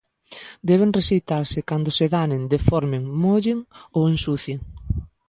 Deben rexeitarse cando se danen, deformen, mollen ou ensucien.